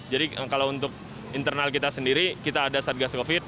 jadi kalau untuk internal kita sendiri kita ada satgas covid sembilan belas